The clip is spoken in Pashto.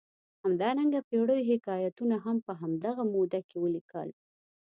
همدارنګه پېړیو حکایتونه هم په همدغه موده کې ولیکل.